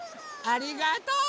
ありがとう！